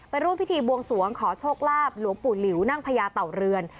ร่วมพิธีบวงสวงขอโชคลาภหลวงปู่หลิวนั่งพญาเต่าเรือน